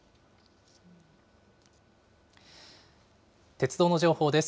鉄道の情報です。